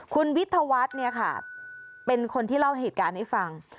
คุณวิทยาวัฒน์เนี่ยค่ะเป็นคนที่เล่าเหตุการณ์ให้ฟัง